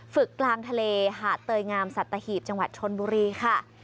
กลางทะเลหาดเตยงามสัตหีบจังหวัดชนบุรีค่ะ